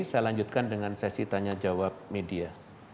saya lanjutkan dengan sesi tanya jawab media